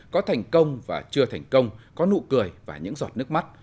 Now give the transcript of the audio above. có thành công và chưa thành công có nụ cười và những giọt nước mắt